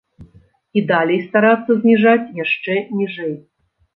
І далей старацца зніжаць яшчэ ніжэй.